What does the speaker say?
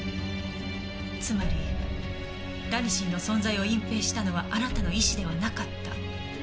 つまりラニシンの存在を隠蔽したのはあなたの意思ではなかった。